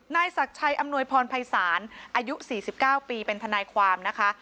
นายศักดิ์ชัยอำนวยพรภัยศาลอายุ๔๙ปีเป็นทนายความนะคะ